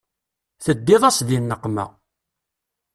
Teddiḍ-as di nneqma.